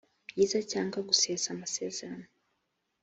byiza cyangwa gusesa amasezerano